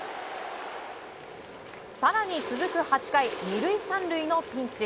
更に続く８回、２塁３塁のピンチ。